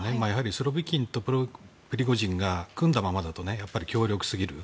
スロビキンとプリゴジンが組んだままだとやっぱり強力すぎる。